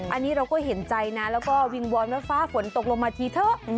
อันนี้เราก็เห็นใจนะแล้วก็วิงวอนว่าฟ้าฝนตกลงมาทีเถอะ